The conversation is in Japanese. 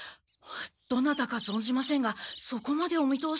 どなたかぞんじませんがそこまでお見通しとは。